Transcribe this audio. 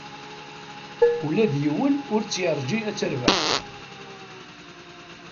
Ula d yiwen ur tt-yeṛji ad terbeḥ.